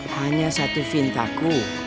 hanya satu cinta ku